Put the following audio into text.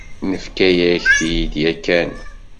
Nefka-yak-t-id yakan.